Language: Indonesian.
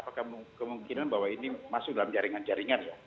apakah kemungkinan bahwa ini masuk dalam jaringan jaringan ya